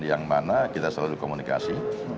dan yang mana kita selalu komunikasi